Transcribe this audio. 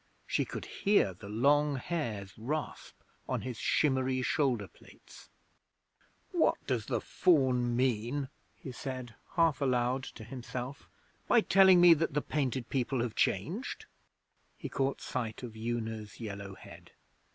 She could hear the long hairs rasp on his shimmery shoulder plates. 'What does the Faun mean,' he said, half aloud to himself, 'by telling me that the Painted People have changed?' He caught sight of Una's yellow head.